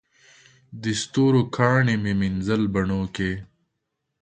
د ستورو کاڼي مې مینځل بڼوکي